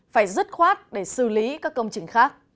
phải dứt khoát để xử lý các công trình khác